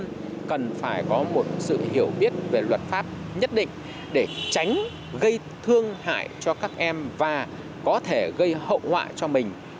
chúng tôi cần phải có một sự hiểu biết về luật pháp nhất định để tránh gây thương hại cho các em và có thể gây hậu quả cho mình